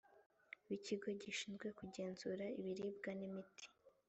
b ikigo gishinzwe kugenzura ibiribwa n imiti